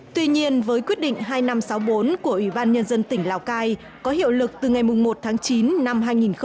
tuy nhiên với quyết định hai nghìn năm trăm sáu mươi bốn của ủy ban nhân dân tỉnh lào cai có hiệu lực từ ngày một tháng chín năm hai nghìn một mươi chín